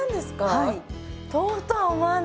はい。